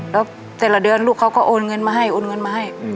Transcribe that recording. แล้วแต่ละเดือนลูกเขาก็โอนเงินมาให้โอนเงินมาให้